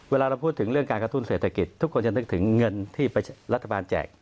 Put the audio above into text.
เวลาเราพูดถึงเรื่องการกระตุ้นเศรษฐกิจทุกคนจะนึกถึงเงินที่รัฐบาลแจก